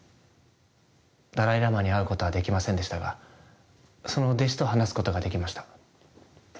ダライ・ラマに会うことはできませんでしたがその弟子と話すことができました。